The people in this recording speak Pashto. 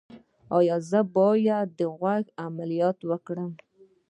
ایا زه باید د غوږ عملیات وکړم؟